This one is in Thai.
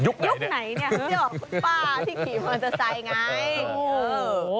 หนูเชื่อคุณป้าที่ขี่มันจะใส่ไง